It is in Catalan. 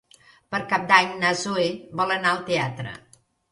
Per Cap d'Any na Zoè vol anar al teatre.